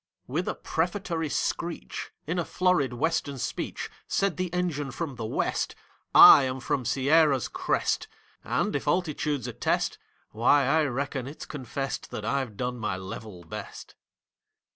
With a prefatory screech, In a florid Western speech, Said the Engine from the WEST: "I am from Sierra's crest; And if altitude's a test, Why, I reckon, it's confessed That I've done my level best."